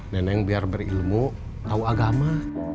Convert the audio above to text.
neneng biar berilmu tahu agama